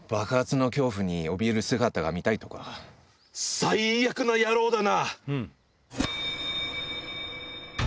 最悪な野郎だな！